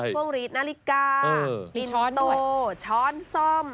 พวงหลีดนาฬิกาอินโตช้อนซ่อม